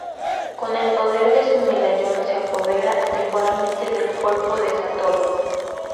Con el poder de su medallón se apodera temporalmente del cuerpo de Satori.